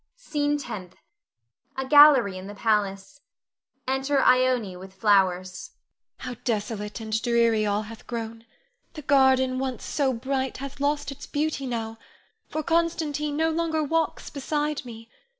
SCENE TENTH. [A gallery in the palace. Enter Ione with flowers.] Ione. How desolate and dreary all hath grown! The garden once so bright hath lost its beauty now, for Constantine no longer walks beside me.